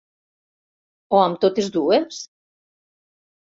O amb totes dues?